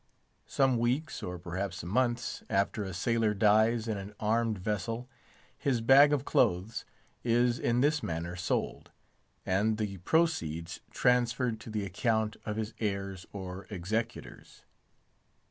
Some weeks, or perhaps months, after a sailor dies in an armed vessel, his bag of clothes is in this manner sold, and the proceeds transferred to the account of his heirs or executors.